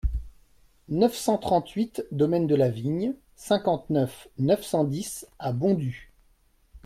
neuf cent trente-huit domaine de la Vigne, cinquante-neuf, neuf cent dix à Bondues